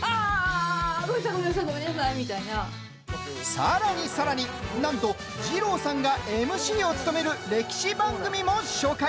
さらにさらに、なんと二朗さんがＭＣを務める歴史番組も紹介。